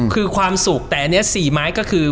คือความสุขแต่อันนี้๔ไม้ก็คือ